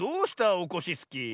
オコシスキー。